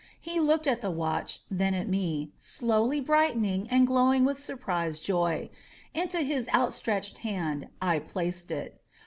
He looked at the watch, then at me, slowly brightening and glowing with surprised joy. Into his outstretched hand I placed it.